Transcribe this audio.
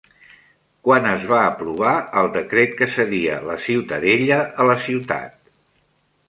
Quan es va aprovar el decret que cedia la Ciutadella a la ciutat?